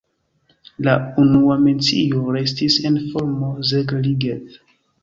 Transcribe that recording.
La unua mencio restis en formo "Zeg-Ligeth".